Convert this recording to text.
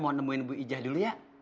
mau nemuin bu ijah dulu ya